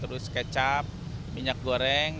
terus kecap minyak goreng